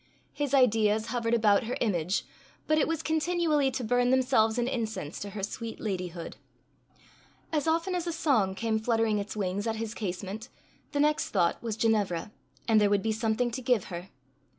His ideas hovered about her image, but it was continually to burn themselves in incense to her sweet ladyhood. As often as a song came fluttering its wings at his casement, the next thought was Ginevra and there would be something to give her!